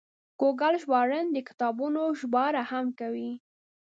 ګوګل ژباړن د کتابونو ژباړه هم کوي.